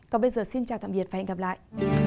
còn bây giờ xin chào tạm biệt và hẹn gặp lại